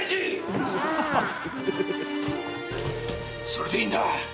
それでいいんだ！